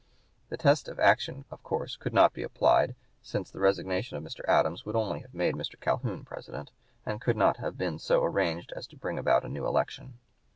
The test of action of course could not be applied, since the resignation of Mr. Adams would only have made Mr. Calhoun President, and could not have been so arranged as to bring about a new election.